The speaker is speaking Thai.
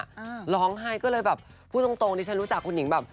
อ่าร้องไห้ก็เลยแบบพูดตรงตรงดิฉันรู้จักคุณหนิงแบบ